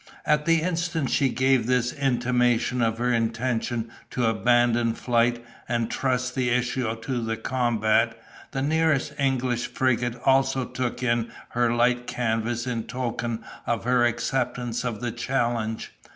At the instant she gave this intimation of her intention to abandon flight, and trust the issue to the combat, the nearest English frigate also took in her light canvas in token of her acceptance of the challenge.